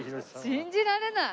信じられない。